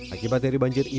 akibat terendam banjir